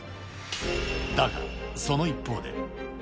だが、その一方で。